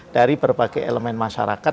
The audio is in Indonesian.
dari berbagai elemen masyarakat